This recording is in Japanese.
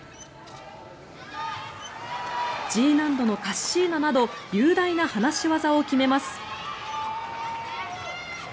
Ｇ難度のカッシーナなど雄大な離し技を決めます。